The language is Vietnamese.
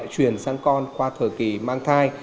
truyền sang con qua thời kỳ mang thai